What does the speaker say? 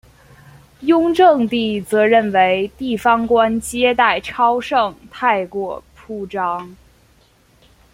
雍正帝则认为地方官接待超盛太过铺张。